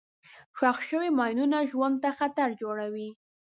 ښخ شوي ماینونه ژوند ته خطر جوړوي.